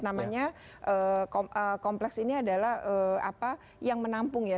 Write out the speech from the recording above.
namanya kompleks ini adalah apa yang menampung ya